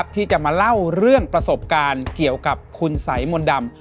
ที่จะมาเล่าเรื่องประสบการณ์เกี่ยวกับคุณสัยมนต์ดำ